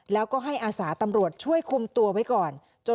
แล้วก็ให้อาสาตำรวจช่วยคุมตัวไว้ก่อน